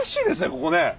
ここね。